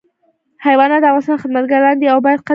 حیوانات د انسانانو خدمتګاران دي او باید قدر یې وشي.